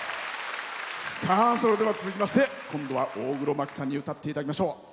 それでは続きまして今度は大黒摩季さんに歌っていただきましょう。